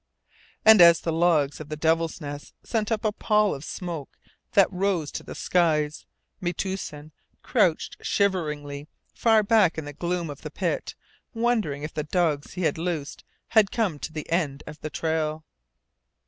And as the logs of the Devil's Nest sent up a pall of smoke that rose to the skies, Metoosin crouched shiveringly far back in the gloom of the pit, wondering if the dogs he had loosed had come to the end of the trail.